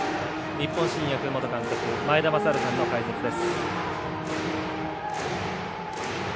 日本新薬元監督前田正治さんの解説です。